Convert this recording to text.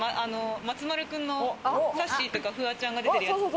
松丸君の、さっしーとかフワちゃんが出てるやつ。